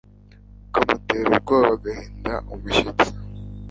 bukamutera ubwoba agahinda umushyitsi